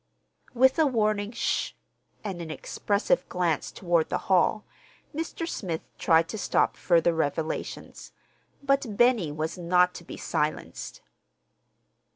With a warning "Sh h!" and an expressive glance toward the hall, Mr. Smith tried to stop further revelations; but Benny was not to be silenced.